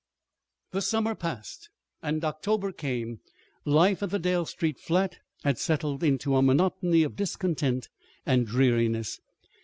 The summer passed and October came. Life at the Dale Street flat had settled into a monotony of discontent and dreariness.